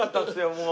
もう。